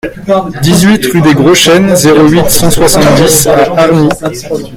dix-huit rue des Gros Chênes, zéro huit, cent soixante-dix à Hargnies